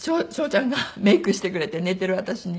ちゃんがメイクしてくれて寝てる私に。